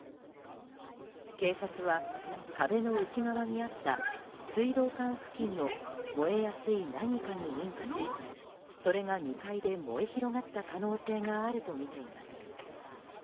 警察は、壁の内側にあった水道管付近の燃えやすい何かに引火しそれが、２階で燃え広がった可能性があるとみています。